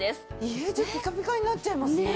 家中ピカピカになっちゃいますね。